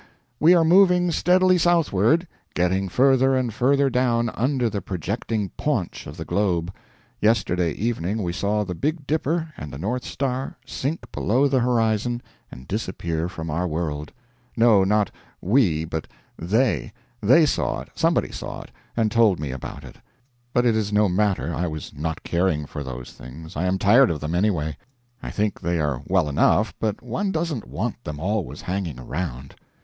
We are moving steadily southward getting further and further down under the projecting paunch of the globe. Yesterday evening we saw the Big Dipper and the north star sink below the horizon and disappear from our world. No, not "we," but they. They saw it somebody saw it and told me about it. But it is no matter, I was not caring for those things, I am tired of them, any way. I think they are well enough, but one doesn't want them always hanging around.